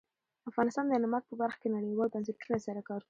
افغانستان د نمک په برخه کې نړیوالو بنسټونو سره کار کوي.